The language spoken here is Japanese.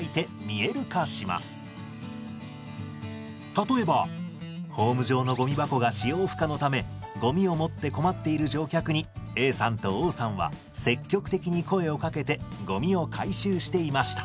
例えば「ホーム上のゴミ箱が使用不可のためゴミを持って困っている乗客にＡさんとＯさんは積極的に声をかけてゴミを回収していました」。